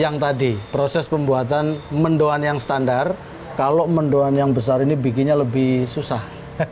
yang tadi proses pembuatan mendoan yang standar kalau mendoan yang besar ini bikinnya lebih susah